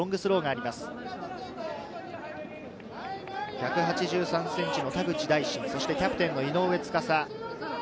１８３ｃｍの田口大慎、そしてキャプテンの井上斗嵩。